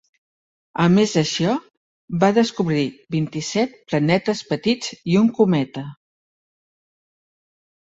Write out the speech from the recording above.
A més d"això, va descobrir vint-i-set planetes petits i un cometa.